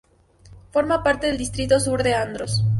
Forma parte del Distrito Sur de Andros.